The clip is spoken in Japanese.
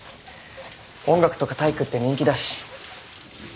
音楽とか体育って人気だし。